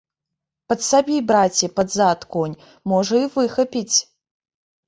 Падсабі, браце, пад зад, конь, можа, і выхапіць.